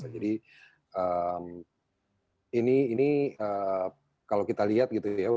jadi ini kalau kita lihat gitu ya